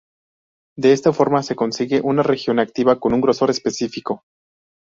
De esta forma se consigue una región activa con un grosor específico.